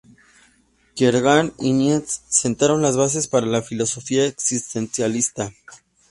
Kierkegaard y Nietzsche sentaron las bases para la filosofía existencialista.